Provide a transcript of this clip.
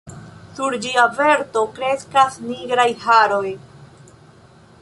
Sur ĝia verto kreskas nigraj haroj.